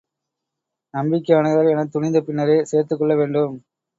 நம்பிக்கையானவர் எனத் துணிந்த பின்னரே சேர்த்துக் கொள்ளவேண்டும்.